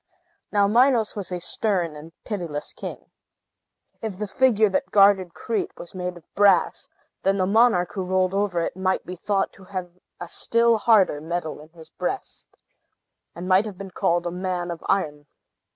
Now, Minos was a stern and pitiless king. If the figure that guarded Crete was made of brass, then the monarch, who ruled over it, might be thought to have a still harder metal in his breast, and might have been called a man of iron.